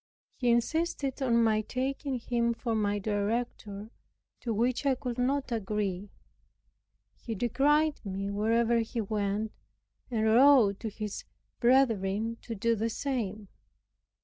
He insisted on my taking himself for my director, to which I could not agree. He decried me wherever he went, and wrote to his brethren to do the same.